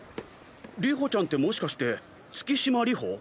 流星ちゃんってもしかして月島流星？